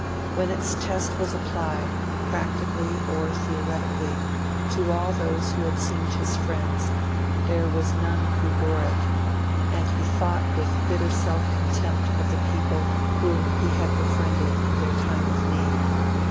When its test was applied, practically or theoretically, to all those who had seemed his friends, there was none who bore it; and he thought with bitter self contempt of the people whom he had befriended in their time of need.